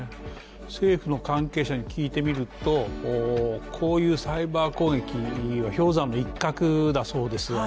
政府の関係者に聞いてみるとこういうサイバー攻撃は氷山の一角だそうです。